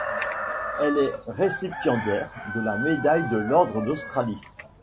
Elle est récipiendaire de la médaille de l'Ordre d'Australie.